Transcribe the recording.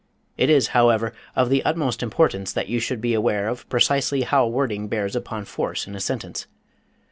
It is, however, of the utmost importance that you should be aware of precisely how wording bears upon force in a sentence.